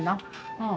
うん。